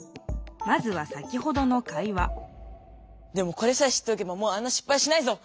まずは先ほどの会話でもこれさえ知っておけばもうあんなしっぱいしないぞ！